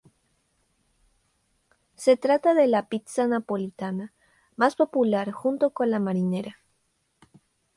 Se trata de la pizza napolitana más popular, junto con la marinera.